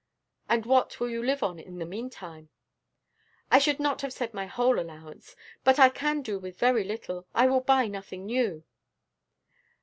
"And what will you live upon in the mean time?" "I should not have said my whole allowance, but I can do with very little, I will buy nothing new."